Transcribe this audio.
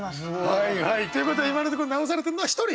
はいはいということで今のところ直されてるのは１人。